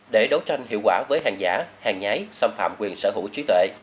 để đấu tranh hiệu quả với hàng giả hàng nhái xâm phạm quyền sở hữu trí tuệ